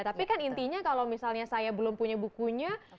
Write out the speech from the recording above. tapi kan intinya kalau misalnya saya belum punya bukunya